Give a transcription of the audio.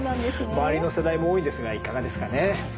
周りの世代も多いんですがいかがですかね。